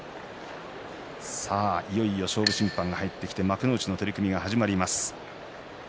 いよいよ勝負審判が入ってきて幕内の取組が始まります。